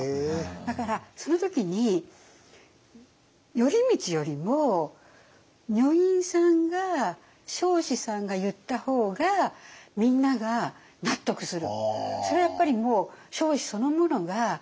だからその時に頼通よりも女院さんが彰子さんが言った方がみんなが納得する。